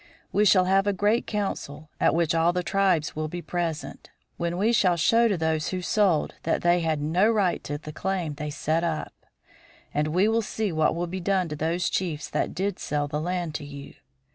We shall have a great council, at which all the tribes will be present, when we shall show to those who sold that they had no right to the claim they set up; and we will see what will be done to those chiefs that did sell the land to you.